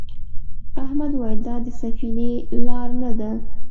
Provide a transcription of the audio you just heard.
احمد وویل دا د سفینې لار نه ده.